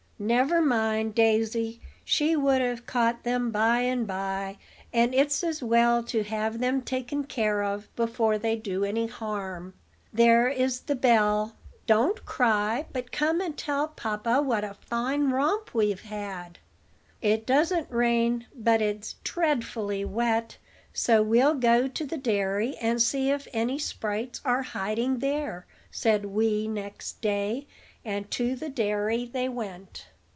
"Never mind, Daisy: she would have caught them by and by, and it's as well to have them taken care of before they do any harm. There is the bell: don't cry, but come and tell papa what a fine romp we've had." "It doesn't rain, but it's dreadfully wet; so we'll go to the dairy, and see if any sprites are hiding there," said Wee next day; and to the dairy they went.